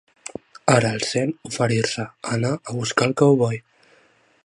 Ara el sent oferir-se a anar a buscar el cowboy.